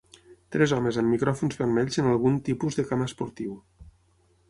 Tres homes amb micròfons vermells en algun tipus de camp esportiu.